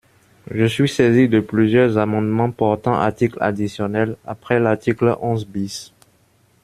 Je suis saisi de plusieurs amendements portant article additionnel après l’article onze bis.